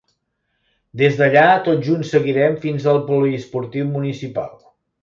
Des d'allà, tots junts seguirem fins al Poliesportiu Municipal.